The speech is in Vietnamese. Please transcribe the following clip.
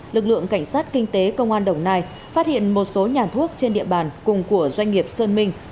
lực lượng cảnh sát kinh tế công an đồng nai phát hiện một số nhà thuốc trên địa bàn cùng của doanh nghiệp sơn minh